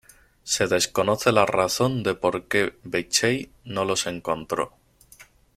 Se desconoce la razón de por que Beechey no los encontró.